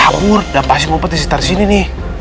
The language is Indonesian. dia kabur pasti mau petisitar sini nih